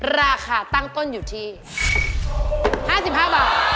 ราคาตั้งต้นอยู่ที่๕๕บาท